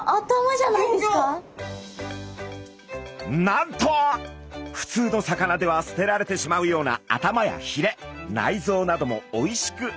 なんとふつうの魚では捨てられてしまうような頭やひれ内臓などもおいしく食べられるんだそうです。